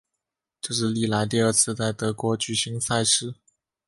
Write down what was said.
这是历来第二次在德国举行赛事。